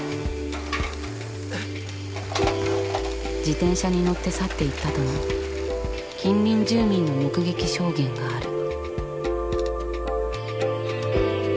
自転車に乗って去っていったとの近隣住民の目撃証言がある。